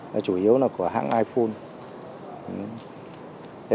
là chủ yếu là của hãng iphone